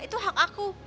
itu hak aku